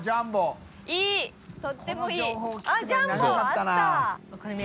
とってもいい！